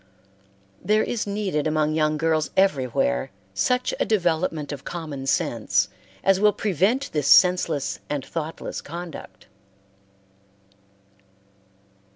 There is needed among young girls everywhere such a development of common sense as will prevent this senseless and thoughtless conduct.